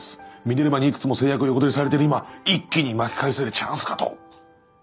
ミネルヴァにいくつも成約横取りされてる今一気に巻き返せるチャンスかと。